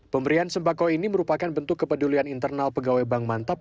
pemberian sembako ini merupakan bentuk kepedulian internal pegawai bank mantap